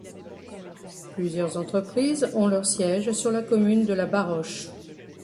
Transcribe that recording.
Plusieurs entreprises ont leur siège sur la commune de la Baroche.